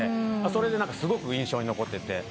それですごく印象に残ってて。